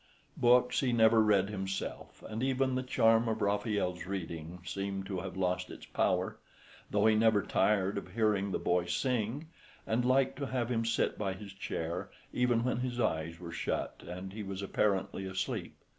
Books he never read himself, and even the charm of Raffaelle's reading seemed to have lost its power; though he never tired of hearing the boy sing, and liked to have him sit by his chair even when his eyes were shut and he was apparently asleep.